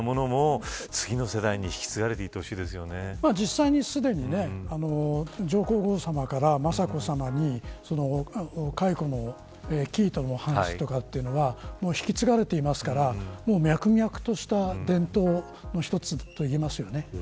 次の世代に引き継がれていってほしい実際に、すでに上皇后さまから雅子さまに、カイコの生糸の話とかというのは引き継がれていますから脈々とした伝統の一つと言えますよね。